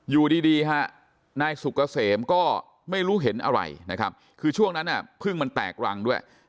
อยู่ดีฮะนายสุกเกษมก็ไม่รู้เห็นอะไรนะครับคือช่วงนั้นพึ่งมันแตกรังด้วย